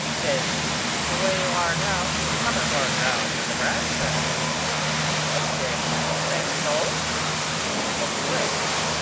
He says The way you are now you cover more ground than the grand stand. I says Is that so? And he walked away.